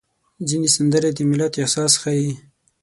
ځینې سندرې د ملت احساس ښيي.